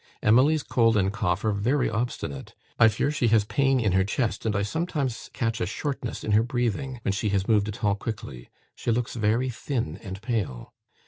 Emily's cold and cough are very obstinate. I fear she has pain in her chest, and I sometimes catch a shortness in her breathing, when she has moved at all quickly. She looks very thin and pale.